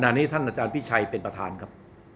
อันนี้ท่านอาจารย์พิชัยเป็นประธานครับ